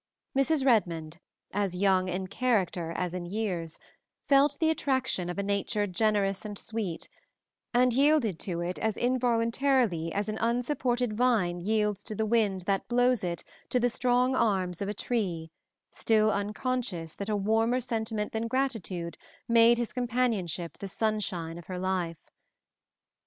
Mrs. Redmond, as young in character as in years, felt the attraction of a nature generous and sweet, and yielded to it as involuntarily as an unsupported vine yields to the wind that blows it to the strong arms of a tree, still unconscious that a warmer sentiment than gratitude made his companionship the sunshine of her life.